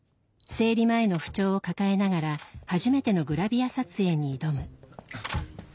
生理前の不調を抱えながら初めてのグラビア撮影に挑む。